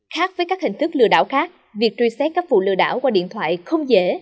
khác với các hình thức lừa đảo khác việc truy xét các vụ lừa đảo qua điện thoại không dễ